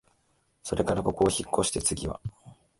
それからここをひっこして、つぎは、